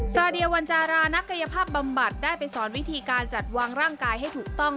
ซาเดียวัญจารานักกายภาพบำบัดได้ไปสอนวิธีการจัดวางร่างกายให้ถูกต้อง